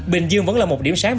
bình dương vẫn là một điểm sáng